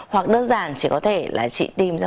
hoặc đơn giản chỉ có thể là chị tìm ra